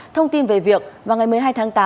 thông tin về việc vào ngày một mươi hai tháng tám